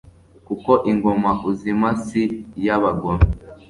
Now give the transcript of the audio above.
kuko ingoma uzima si iy'abagome